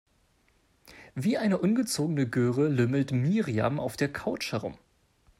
Wie eine ungezogene Göre lümmelt Miriam auf der Couch herum.